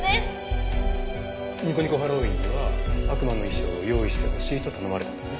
にこにこハロウィーンには悪魔の衣装を用意してほしいと頼まれたんですね？